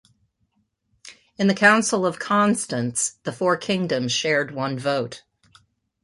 In the Council of Constance, the four kingdoms shared one vote.